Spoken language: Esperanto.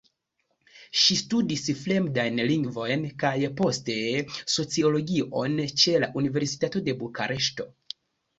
Ŝi studis fremdajn lingvojn kaj poste sociologion ĉe la Universitato de Bukareŝto.